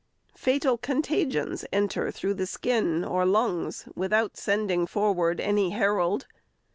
Fatal contagions enter through the skin or lungs, without sending forward any herald.